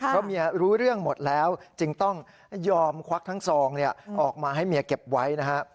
เพราะเมียรู้เรื่องหมดแล้วจึงต้องยอมควักทั้งซองออกมาให้เมียเก็บไว้นะฮะ